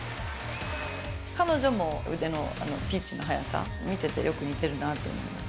彼女も腕のピッチの速さ見ててよく似てるなと思います。